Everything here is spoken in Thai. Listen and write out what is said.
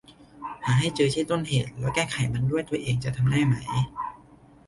หาให้เจอที่ต้นเหตุแล้วแก้ไขมันด้วยตัวเองจะทำได้ไหม